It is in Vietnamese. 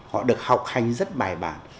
họ được học hành rất bài bản